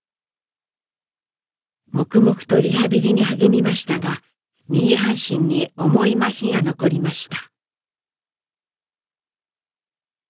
黙々とリハビリに励みましたが右半身に重いまひが残りました。